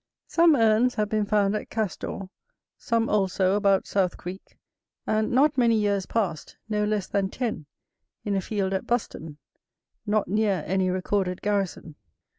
Some urns have been found at Castor, some also about Southcreak, and, not many years past, no less than ten in a field at Buxton, not near any recorded garrison.